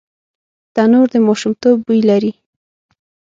تنور د ماشومتوب بوی لري